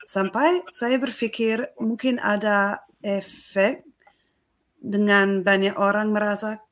sampai saya berpikir mungkin ada efek dengan banyak orang merasa